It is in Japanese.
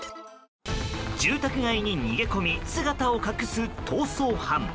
住宅街に逃げ込み姿を隠す逃走犯。